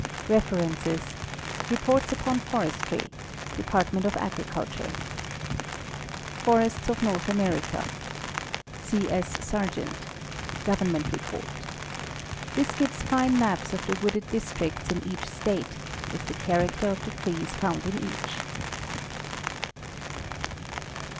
References: Reports upon Forestry, Department of Agriculture. Forests of North America. C. S. Sargent. (Government Report.) This gives fine maps of the wooded districts in each state, with the character of the trees found in each.